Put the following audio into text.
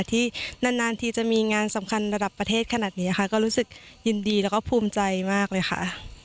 ที่นานทีจะมีงานสำคัญระดับประเทศขนาดนี้ค่ะก็รู้สึกยินดีแล้วก็ภูมิใจมากเลยค่ะ